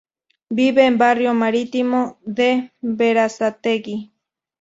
Vive en Barrio Marítimo, de Berazategui.